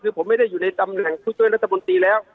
คือผมไม่ได้อยู่ในตำแหน่งผู้ช่วยรัฐบนตรีแล้ว